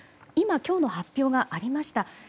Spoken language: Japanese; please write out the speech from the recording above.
今、今日の発表がありました。